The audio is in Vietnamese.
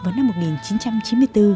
vào năm một nghìn chín trăm chín mươi bốn